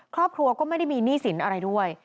ครอบครัวก็ไม่ได้มีหนี้สินอะไรด้วย